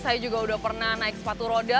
saya juga udah pernah naik sepatu roda